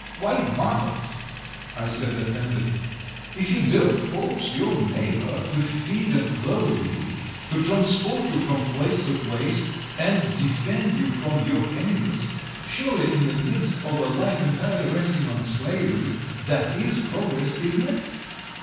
"Why muddles?" I said, offended. "If you don't force your neighbour to feed and clothe you, to transport you from place to place and defend you from your enemies, surely in the midst of a life entirely resting on slavery, that is progress, isn't it?